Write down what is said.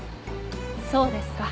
そうですか。